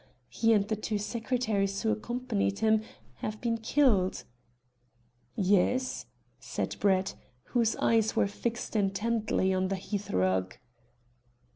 He and the two secretaries who accompanied him have been killed." "Yes?" said Brett, whose eyes were fixed intently on the hearthrug.